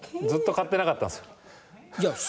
ずっと買ってなかったんですよ。